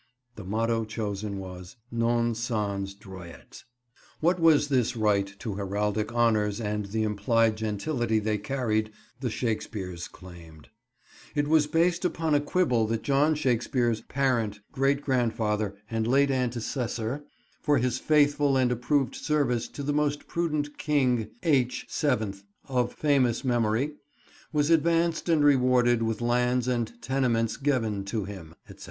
The motto chosen was "Non sanz droiet." What was this right to heraldic honours and the implied gentility they carried, the Shakespeares claimed? It was based upon a quibble that John Shakespeare's "parent, great grandfather and late antecessor, for his faithful and approved service to the most prudent prince king H. 7 of famous memorie, was advanced and rewarded with lands and tenements geven to him," etc.